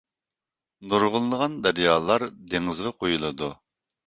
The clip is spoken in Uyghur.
نۇرغۇنلىغان دەريالار دېڭىزغا قۇيۇلىدۇ.